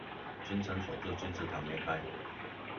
精誠所至、金石堂沒開